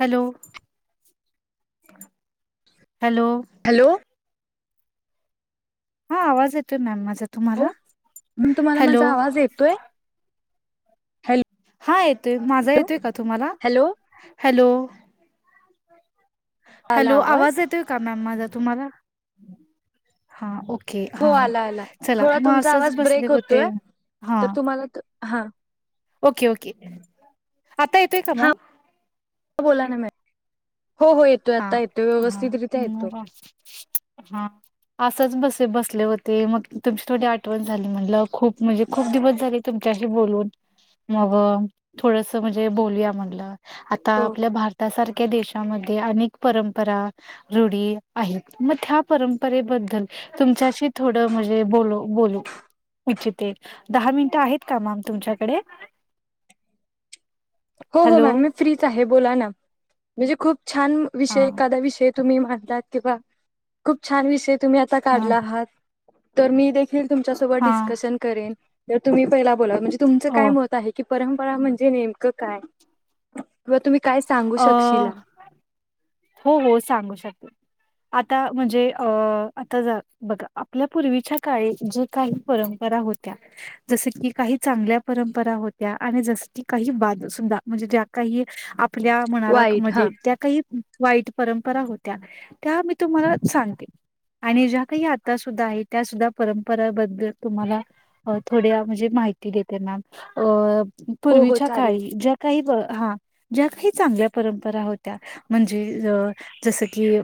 Hello hello. Hello. हा आवाज येतोय मॅम माझा हो तुम्हाला मॅम तुम्हाला हॅलो माझा आवाज येतोय? हॅलो. हा येतोय माझा येतोय का तुम्हाला हॅलो हॅलो. हॅलो आवाज येतोय का मॅम माझा तुम्हाला? हा ओके हो हा आला आला चला थोडा मग तुमचा असंच आवाज बसले ब्रेक होते. होतोय हा तर तुम्हाला हा, ओके ओके आता येतोय का हा मग, बोला ना मॅ हो हो येतो हा आता येतो हा व्यवस्थितरित्या येतो. मग हा. असंच बसे बसले होते मग तुमची थोडी आठवण झाली म्हटलं खूप म्हणजे खूप दिवस झाले. तुमच्याशी बोलून मग थोडस म्हणजे बोलूया म्हटलं, आता हो आपल्या भारतासारख्या देशामध्ये अनेक परंपरा, रूढी आहेत मग त्या परंपरेबद्दल- तुमच्याशी थोडं म्हणजे बोल बोलू- इच्ि [inaudible] त दहा मिनिट आहेत का मॅम तुमच्याकडे? हो हो हॅलो मॅम मी फ्रीच आहे बोला ना म्हणजे खूप छान हा विषय एखादा विषय- तुम्ही म्हणतात किंवा खूप छान विषय तुम्ही आता हा काढला आहात तर मी फिर तुमच्या सोबत हा डिस्कशन करेन तर तुम्ही पहिला बोला म्हणजे तुमचं हो काय मत आहे की परंपरा म्हणजे नेमकं काय किंवा तुम्ही काय सांगू शकशीला हो-हो सांगू शकते. आता म्हणजे अ आता ज बघा आपल्या पूर्वीच्या काळी जे- काही परंपरा होत्या. जस की काही चांगल्या परंपरा होत्या आणि जस की काही बाद सुधा म्हणजे ज्या काही, आपल्या म्हणाला वाईट हा म्हणजे त्या [inaudible] काही वाईट परंपरा होत्या त्या मी तुम्हाला सांगते. आणि ज्या काही आता सुद्धा आहे त्या सुद्धा परंपराबद्दल तुम्हाला- अ थोड्या म्हणजे माहिती देत त्यां ना अ- हो हो पूर्वीच्या चालेल. काळी ज्या काही हा- ज्या काही चांगल्या परंपरा होत्या म्हणजे अ जसं की,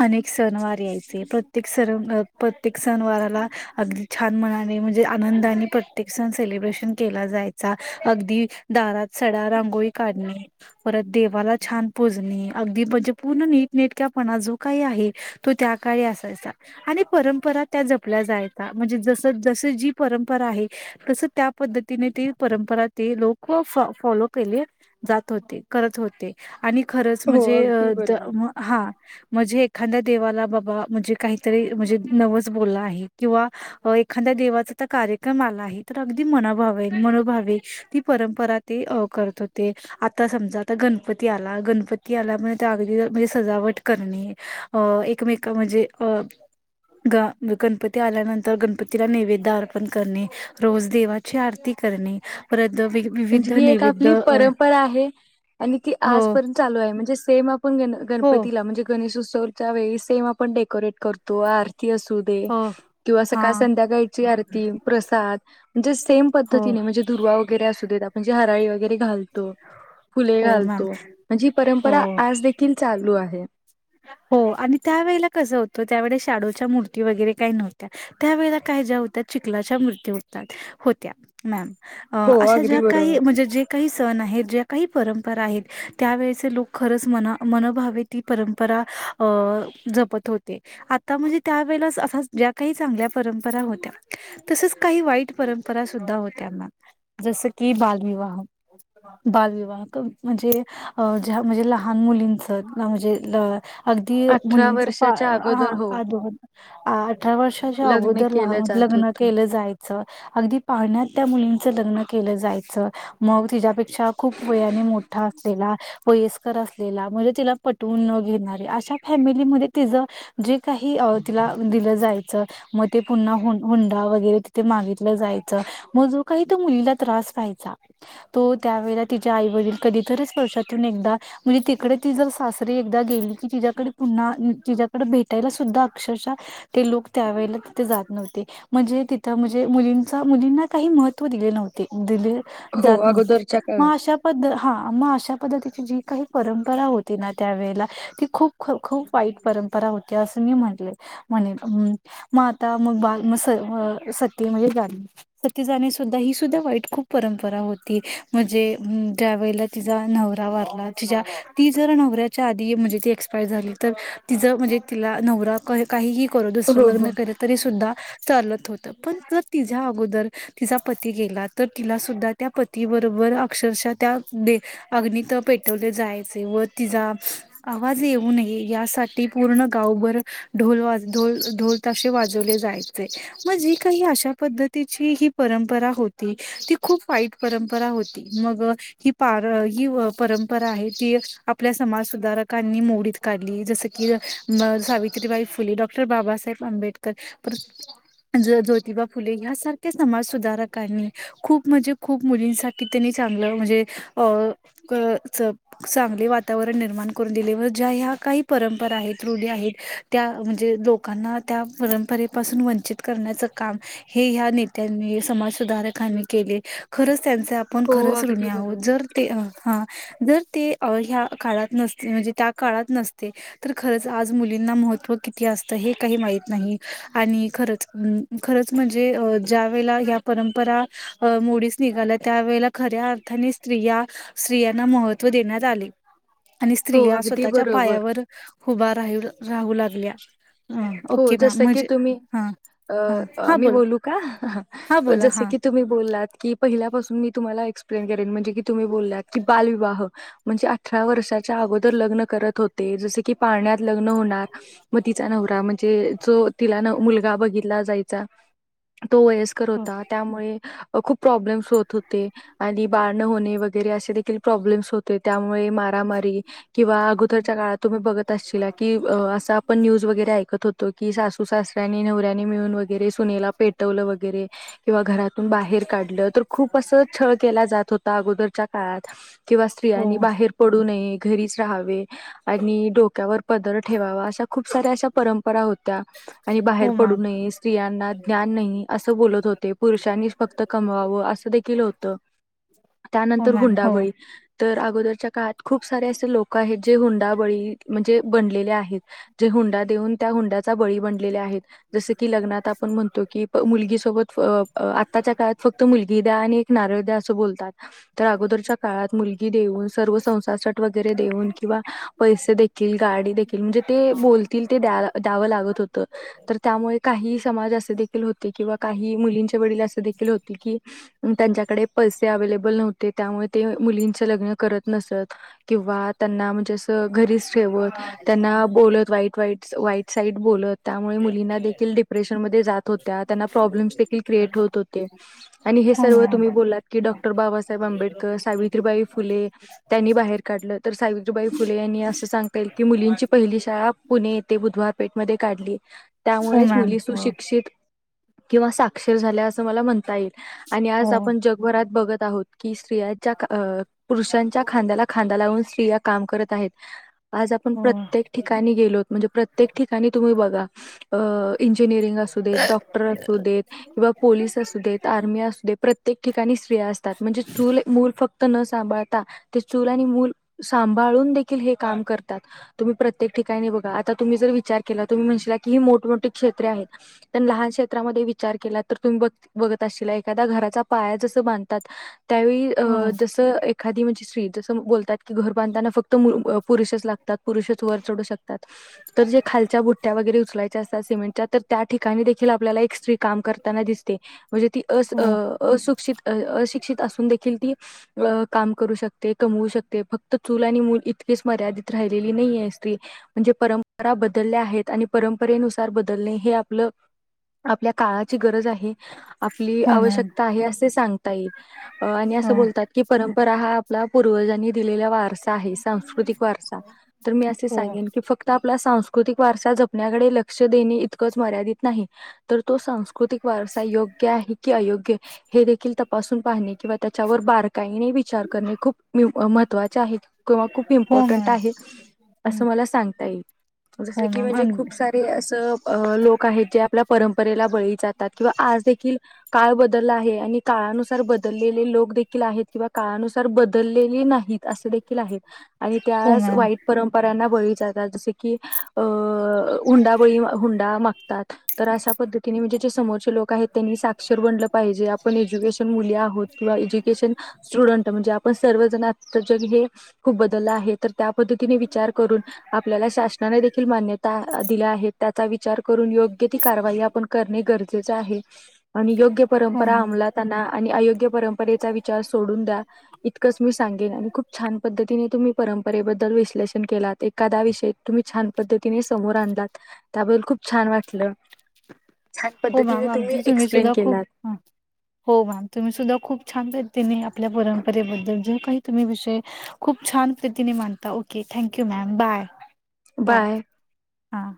अनेक सण वार ऐतील प्रत्येक- तर स प्रत्येक सणवाराला अगदी छान मनाने म्हणजे आनंदाने, े सण सेलिब्रेशन केला जायचा अगदी दारात सडा रांगोळी काढणे. परत देवाला छान पुतणे, अगदी म्हणजे पूर्ण नीटनेटक्यापणा जो काही आहे- तू त्या काळी असायचा. आणि परंपरा त्या जपल्या जायच्या म्हणजे जस जस जी परंपरा आहे. तसं त्या पद्धतीने ती परंपरा ती लोक फॉलो केली. होते करत होते आणि खरंच हो म्हणजे अगदी बरोबर. हा- म्हणजे एखाद्या देवाला बघा म्हणजे काहीतरी म्हणजे नवच बोललं आहे किंवा- अ एखाद्या देवाचा तर कार्यक्रम आला आहे तर अगदी मनभवे मनोभावे, ती परंपरा ते करत होते. आता समजा आता गणपती आला गणपती आला पण त्या अगदी म्हणजे सजावट करणे. अ एकमेक म्हणजे अ- ग गणपती आल्यानंतर गणपतीला नैवेद्य अर्पण करणे रोज देवा- ची आरती करणे परत, त्यांची विविध ही एक नैवेद्य आपली अ पर- परा आहे आणि ती हो, आजपर्यंत चालू आहे म्हणजे सेम आपण ग हो, गणपतीला म्हणजे, गणेशोत्सवच्या वेळी सेम आपण डेकोरेट करतो आरती असू, हो. किंवा सकाळ हां. संध्याकाळची आरती प्रसाद म्हणजे सेम हो, पद्ती म्हण- दुव्रा वगैरे असू देत आपण ज हराळी वैगरे घाल- तो फुले हो मॅम. घालतो म्हणजे ही परंपरा हो. आज देखील चालू आहे. हो आणि त्यावेेळेला कसं होतं त्यावेळे शाडोच्या मूर्ती वगैरे काही नव्हत्या. त्या वेळे काय ज्या होत्या चिखलाच्या मृत्यू होतात होत्या. मॅम हो अशा अगदी ज्या बरोबर. काही म्हणजे जे. काही सण आहेत ज्या काही परंपरा आहेत त्यावेेळेचे लोक खरंच मना मनभावे ती परंप. जपत होते. आता म्हणजे त्यावेेळे असा ज्या काही चांगल्या परंपरा होत्या. तसच काही वाईट परंपरा सुद्धा होत्यांना जसं की बालविवाह. बालविवाह म्हणजे अ ज्या म्हणजे लहान मुलींच म्हणजे. अगदी अठरा मुलींच वर्षाच्या ह अगोदर हो पा द. अठरा वर्षाच्या लग्न अगोदर केलं जात लग्न होतं. केलं जायच. अगदी पाहण्यात त्या मुलींचं लग्न केलं जायचं. मग तिच्यापेक्षा खूप वयाने मोठा असलेला वयस्कर असलेला म्हणजे तिला प त न घेणारे अशा फॅमिलीमध्ये तिचं जे काही तिला दिलं जायचं. मग ते पुन्हा हुंडा वगैरे तिथे मागितलं जायचं. मग जो काही तर मुलीला त्रास व्हायचा. तो त्यावेळे तिच्या आई वडील कधीतरी स्पर्शातून एकदा म्हणजे तिकडे ती जर स. री एकदा गेली की तिच्याकडे पुन्हा तिच्या्याकडे भेटायला सुद्धा अक्षरशः- ते लोक त्यावेेळेला तिथे जात नव्हते. म्हणजे तिथं म्हणजे मुलींचा मुलींना काही महत्त्व दिले नव्हते दिले. हो जात नव्हते अगोदरच्या काळात मग अशा पद्धत हा अशा पद्धतीची जी काही परंपरा होती ना. त्यावेेळेला ती खूप खूप वाईट परंपरा होती असं मी म्हणले. म्हणेल मग आता मग बाल मग सत म्हणजे गली. सतीजणी सुद्धा ही सुद्धा वाईट खूप परंपरा होती म्हणजे ज्यावेेळेला. तिचा नवरा वारला तिच्या ती जर नवऱ्या. च्या आधी म्हणजे ती एक्सपायर झाली तर तिचं म्हणजे तिला नवरा. क काही करू दुसरं हो हो. लग्न केलं तरीसुद्धा चालत होतं पण ज तिझ्या अगोदर. तिचा पती गेला तर तिला सुद्धा त्या पती बरोबर अक्षरशः त्या अग्नि तर पेटवले जायचे व तिचा आवाज येऊ नये यासाठी पूर्ण गावभर ढोल वाज ढोल ढोल तसे वाजवले जायचे मग जी काही अशा पद्धतीची ही परंपरा होती ती खूप वाईट परंपरा होती मग ही पार ही परंपरा आहे ती आपल्या समाज सुधारकांनी मोडीत काढली जसं की सावित्रीबाई फुले डॉक्टर बाबासाहेब आंबेडकर ज्योतिबा फुले यासारख्या समाज सुधारकांनी खूप म्हणजे खूप मुलींसाठी त्यांनी चांगलं म्हणजे अ चांगली वा वातावरण निर्माण करून दिले व ज्या ह्या काही परंपरा आहेत रुली आहेत त्या म्हणजे लोक लोकांना त्या परंपरेपासून वंचित करण्याचं काम हे या्या नेत्यांनी समाज सुधारकांनी केले खरंच त्यांचा आपण हो, खरंच रु अगदी आहोत बरोबर. जर ते हा जर ते ह्या काळात नसते म्हणजे त्या काळात नसते तर खरंच आज मुलींना महत्व किती असतं हे काही माहीत नाही आणि खरंच खरंच म्हणजे अ ज्या वेळेला या परंपरा अ मुडीच निघाल्या त्यावेेळेला खऱ्या अर्थाने स्त्रिया स्त्रियांना महत्त्व देण्यात आले आणि हो, स्त्रिया अगदी स्वतःच्या बरोबर. पायावर हुभा राही राहू लागल्या अ, हो ओके जस मॅम की म्हणजे तुम्ही हां, हां. हां मी बोला. बोलू का हां बोला. जस हां. की तुम्ही बोललात की पहिल्यापासून मी तुम्हाला एक्सप्लेन करेन म्हणजे की तुम्ही बोललात की बालविवाह म्हणजे अठरा वर्षाच्या अगोदर लग्न करत होते जस की पाण्यात लग् होणार म तचा नव म्ह जो तिला न मुलगा बघितला जायचा तो वयस्कर हो, होता त्यामुळे खूप प्रॉब्लेम्स होत होते आणि बाारणं होणे वगैरे असे देखील प्रॉब्लेम्स हो त्यामुळे मारामारी. किंवा अगोदरच्या काळात तुम्ही बघत असश की असं आपण न्यूज वगैरे ऐकत होतो. की सासू सासऱ्यांनी नवऱ्यानी मिळून वगैर सुनेला पेटवलं वगैरे किंवा घरातून बाहेर काढलं तर खूप असं छळ केला जात होत. अगोदरच्या काळात किंवा हो, स्त्रियांनी बाहेर. पडू नये घरीच राहावे आणि डोक्यावर पदर ठेवावा अशा खूप साऱ्या अशा परंप. परा होत्या. आणि बाहेर हो पडू मॅम. नये स्त्रियांना ज्ञान नाही असं बोलत होते पुरुषांनी फक्त. कमवाव असं देखील होत हो त्यानंतर मॅम. हो. हुंडाबळी तर अगोदरच्या काळात खूप सारे असे लोक आहेत जे हुंडाबळी म्हणजे बनलेले आहेत. जे हुंडा देऊन त्या हुंड्याचा बळी बनलेले आहेत. जस की लग्नात आपण म्हणतो की मुलगी सोबत आत्ताच्या काळात फक्त मुलगी द्या आणि- नारळद्या असं बोलतात. तर अगोदरच्या काळात मुलगी देऊन सर्व संसारसाट वगैरे देऊन किंवा. पैसे देखील गाडी देखील म्हणजे ते बोलतील ते द द्यावं लागत होतं तर त्यामुळे काही समाज असे देखील होते किंवा काही मुलींच्या वडील असे देखील होते की त्यांच्याकडे पैसे अव्लेबल नव्हते त्यामुळे ते मुलींच लग्न करत नसत किंवा त्यांना म्हणजे असं घरीच ठेवत त्यांना बोलत वाईट वाईट वाईट साईट बोलत. त्यामुळे मुलींना देखील डिप्रेशनमध्येध्ये जात होत्या त्यांना प्रॉब्लेम्स देखील क्रिएट होत होते. आणि हे हो सर्व मॅम. तुम्ही बलात की डॉक्टर बाबासाहेब आंबेडकर सावित्रीबाई फुले. त्यांनी बाहेर काढलं तर सावित्रीबाई फुले यांनी असं सांगता येईल की मुलींची पहिली शाळा पुणे येते बुधवार. पेट म काढली हो त्यामुळेच मॅम. मुली हो. सुशिक्षित. किंवा साक्षर झाल्या असं मला म्हणता येईल आणि आज हो, आपण जगभरात बघत आहोत. कि स्त्रियांच्या पुरुषांच्या खांद्याला खांदा लावून स्त्रिया काम करत आहेत. आज आपण हो, प्रत्येक ठिकाणी गेलोत म्हणजे प्रत्येक ठिकाणी तुम्ही बघा. इंजिनिअरिंग असू देत डॉक्टर असू देत. किंवा पोलीस असू देत आर्मी असू दे प्रत्येक ठिकाणी स्त्रिया असतात म्हणजे चू मूल फक्त. न सांभाळता ते चूल आणि मूल सांभळून. की हे काम करतात तुम्ही प्रत्येक ठिकाणी बघा आता तुम्ही जर विचार केला तुम्ही म्हणशीला की मोठमोठी क्षेत्रे आहेत. पण लहान क्षेत्रामध्ये विचार केला तर तुम्ही बघ बघत असशीला एखादा घराचा पाया जसं बांधतात. त्यावेळी. हो, अ जसं एखादी म्हणजे स्त्री जसं बोलतात की घर बांधताना फक्त पुरुषच लागतात. पुरुषच वर चढू शकतात तर जे खालच्या बुट्ट्या वगैरे उचलायच्या असतात सिमेंटच्या तर त्या. ठिकाणी देखील आपल्याला एक स्त्री काम करताना दिसते म्हणजे ती अस. हो, असशिक्षित अशिक्षित असून देखील ती. अ काम करू शकते कमवू शकते फक्त चूल आणि मूल इतकीच मर्यादित राहिलेली नाही ये स्त्री. म्हणजे परंपरा बदलल्या आहेत आणि परंपरेनुसार बदलणे हे आपलं. आपल्या काळाची गरज आहे आपली हो मॅम. आवश्यकता आहे असे सांग. ताई आणि अस हो, बोलतात की परंपरा हा आपल्या पूर्वजांनी दिलेल्या वार सांस्कृतिक वारसा तर मी असे हो, सांगेन की फक्त. आपला सांस्कृतिक वारसा जपण्याकडे लक्ष देणे इतकंच मर्यादित नाही तर तोस् प्राकृतिक वारसा योग्य आहे की अयोग्य हे देखील तपासून पाहणे किंवा त्याच्यावर बारकाईने विचार करणे खूप महत्त्वाचे आहेत. किंवा खूप हो इम्पॉर्टंट मॅम. आहे असं हं. मला सांगता येईल. जस हो की मॅम. म्हणजे अगदी. खूप सारे असं लोक आहेत जे आपल्या परंपरेला बळी. जातात किंवा आज देखील काळ बदलला आहे आणि काळानुसार बदललेले लोक. देखील आहेत किंवा काळानुसार बदललेली नाहीत असे देखील आहेत आणि त्या हो मॅम. वाईट परंपऱ्यांना बळी जातात जसे की अ हुंडा बळी हुंडा मागतात तर अशा पद्धतीने म्हणजे जे समोरचे लोक आहेत त्यांनी अक्षरलं पाहिजे आपण एज्युकेशन मुली आहोत किंवा ए्युकेशन स्टुडंट म्हणजे आपण सर्वजण जग हे खूप बदललं आहे तर त्या पद्धतीने विचार करून आपल्याला शासनाने देखील मान्यता दिल्या आहे. त्याचा विचार करून योग्य ती कारवाई आपण करणे गरजेचे आहे. आणि योग्य हो परंपरा मॅम. अमलात आना आणि अयोग्य परंपरेचा विचार सोडून द्या. इतकंच मी सांगेन आणि खूप छान पद्धतीने तुम्ही परंपरेबद्दल विश्लेषण केलात एखादा विषय तुम्ही छान पद्धतीने समोर आणलात. त्याबद्दल खूप छान वाटलं छान हो पद्धतीने मॅम तुम्ही आमची एक्सप्लेन सुद्धा खूप केलात. हा. हो मॅम तुम्ही सुद्धा खूप छान पद्धतीने आपल्या परंपरेबद्दल जे काही तुम्ही विषय खूप छान पद्धतीने माडता okay thank you ma'am bye bye हा